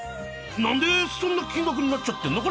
何でそんな金額になっちゃってんの？